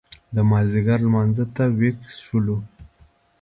د مازیګر لمانځه ته وېښ شولو.